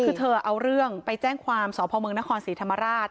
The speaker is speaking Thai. คือเธอเอาเรื่องไปแจ้งความสพมนครศรีธรรมราช